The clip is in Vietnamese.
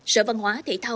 sở văn hóa thể thao